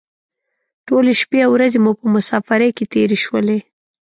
ټولې شپې او ورځې مو په مسافرۍ کې تېرې شولې.